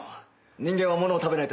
人間は物を食べないと死ぬ。